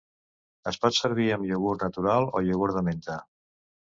Es pot servir amb iogurt natural o iogurt de menta.